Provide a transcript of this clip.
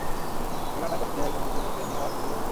এই রান্না করতে কোনো কিছুই মেপে নেওয়ার প্রয়োজন হয় না।